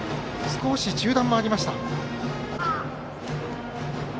少し中断もありました。